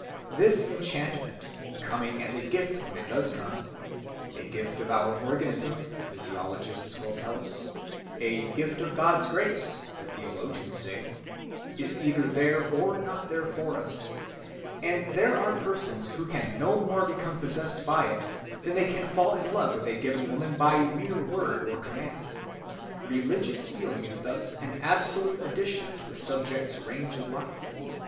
This enchantment, coming as a gift when it does come,—a gift of our organism, the physiologists will tell us, a gift of God's grace, the theologians say,—is either there or not there for us, and there are persons who can no more become possessed by it than they can fall in love with a given woman by mere word of command. Religious feeling is thus an absolute addition to the Subject's range of life.